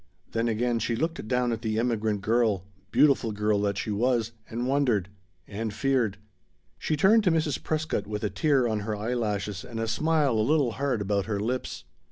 Then again she looked down at the immigrant girl beautiful girl that she was. And wondered. And feared. She turned to Mrs. Prescott with a tear on her eyelashes and a smile a little hard about her lips.